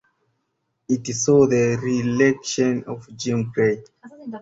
It saw the reelection of Jim Gray.